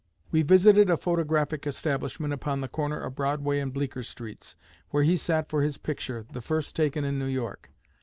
We visited a photographic establishment upon the corner of Broadway and Bleeker streets, where he sat for his picture, the first taken in New York.